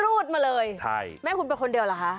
รูดมาเลยใช่แม่คุณเป็นคนเดียวเหรอคะ